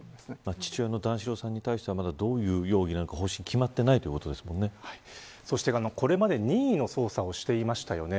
父親の段四郎さんに関してはどういう容疑なのか方針が決まっていないのかもこれまで任意の捜査をしていましたよね。